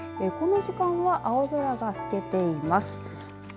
この時間は青空が透けています。